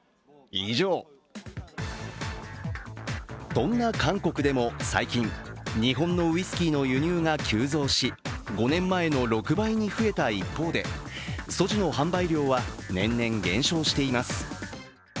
そんな韓国でも最近、日本のウイスキーの輸入が急増し、５年前の６倍に増えた一方で、ソジュの販売量は年々減少しています。